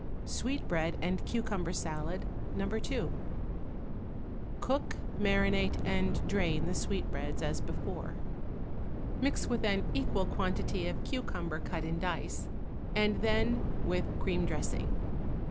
=Sweetbread and Cucumber Salad, No. 2.= Cook, marinate and drain the sweetbreads as before; mix with an equal quantity of cucumber cut in dice, and then with cream dressing.